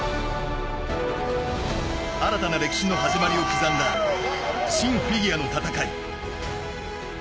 新たな歴史の始まりを刻んだ新フィギュアの戦い。